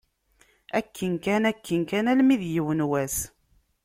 Akken kan, akken kan, almi d yiwen wass.